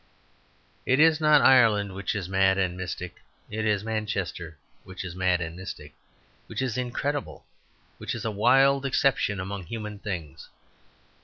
It is not Ireland which is mad and mystic; it is Manchester which is mad and mystic, which is incredible, which is a wild exception among human things.